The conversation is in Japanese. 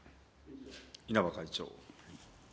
稲葉会長。